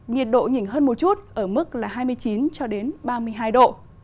nhiệt độ nhỉnh hơn một chút ở mức hai mươi chín ba mươi hai độ